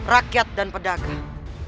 rakyat dan pedagang